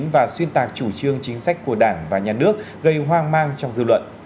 và xuyên tạc chủ trương chính sách của đảng và nhà nước gây hoang mang trong dư luận